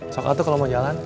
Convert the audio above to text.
sok atut kalau mau jalan